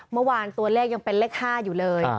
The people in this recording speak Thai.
เมื่อวานตัวเลขยังเป็นเลข๕อยู่เลย